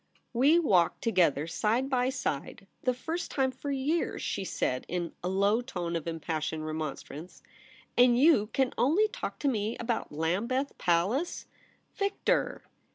* We walk together side by side, the first time for years,' she said, in a low tone of impassioned remonstrance ;' and you can only talk to me about Lambeth Palace ! Victor